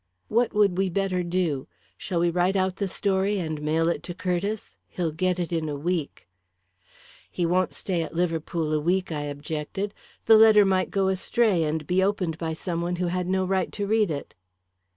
"What would we better do? Shall we write out the story and mail it to Curtiss? He'll get it in a week." "He won't stay at Liverpool a week," I objected. "The letter might go astray, and be opened by some one who had no right to read it."